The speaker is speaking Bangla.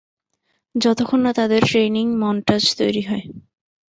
যতক্ষণ না তাদের ট্রেইনিং মন্টাজ তৈরি হয়।